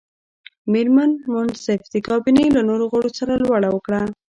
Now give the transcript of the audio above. مېرمن منصف د کابینې له نورو غړو سره لوړه وکړه.